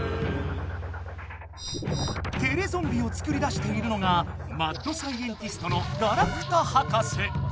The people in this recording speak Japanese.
テレゾンビをつくり出しているのがマッドサイエンティストのガラクタ博士。